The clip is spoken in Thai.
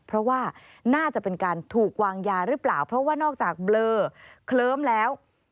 เพราะว่าน่าจะเป็นการถูกวางยาหรือเปล่าเพราะว่านอกจากเบลอเคลิ้มแล้ว